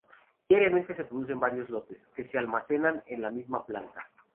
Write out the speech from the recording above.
Diariamente se producen varios lotes, que se almacenan en la misma planta.